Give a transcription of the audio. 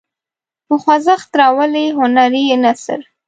په خوځښت راولي هنري نثر.